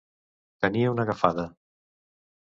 Tenir una agafada.